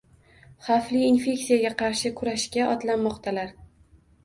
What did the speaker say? Xavfli infeksiyaga qarshi kurashga otlanmoqdalar